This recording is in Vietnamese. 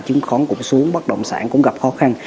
chứng khoán cũng xuống bất động sản cũng gặp khó khăn